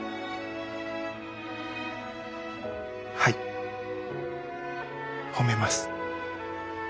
はい褒めます。